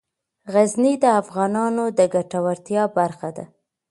غزني د افغانانو د ګټورتیا برخه ده.